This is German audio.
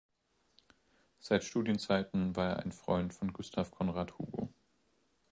Seit Studienzeiten war er ein Freund von Gustav Conrad Hugo.